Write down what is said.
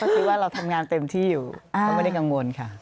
ก็คือว่าเราทำงานเต็มที่อยู่ก็ไม่ได้กังวลค่ะ